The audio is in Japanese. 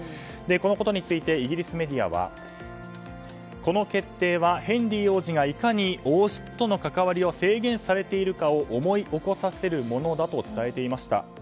このことについてイギリスメディアはこの決定はヘンリー王子がいかに王室との関わりを制限されているかを思い起こさせるものだと伝えていました。